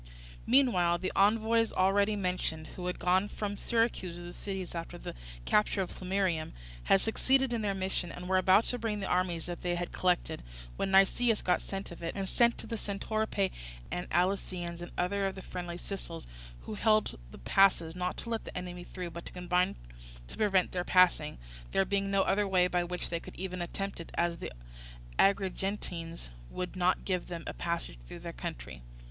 Meanwhile the envoys, already mentioned, who had gone from Syracuse to the cities after the capture of Plemmyrium, had succeeded in their mission, and were about to bring the army that they had collected, when Nicias got scent of it, and sent to the Centoripae and Alicyaeans and other of the friendly Sicels, who held the passes, not to let the enemy through, but to combine to prevent their passing, there being no other way by which they could even attempt it, as the Agrigentines would not give them a passage through their country.